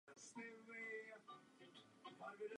Teorie však nedokázala vysvětlit množství deuteria.